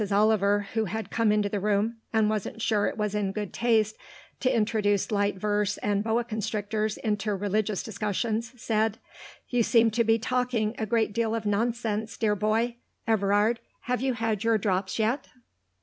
Oliver, who had come into the room and wasn't sure it was in good taste to introduce light verse and boa constrictors into religious discussions, said, "You seem to be talking a great deal of nonsense, dear boy. Everard, have you had your drops yet?"